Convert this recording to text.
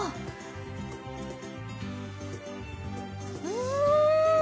うん！